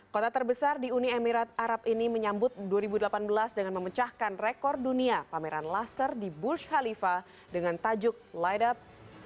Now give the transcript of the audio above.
kota terbesar di uni emirat arab ini menyambut dua ribu delapan belas dengan memecahkan rekor dunia pameran laser di burj khalifa dengan tajuk light up